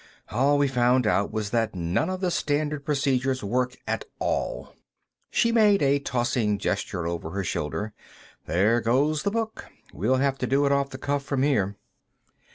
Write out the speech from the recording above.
All we found out was that none of the standard procedures work at all." She made a tossing gesture over her shoulder. "There goes the book; we have to do it off the cuff from here."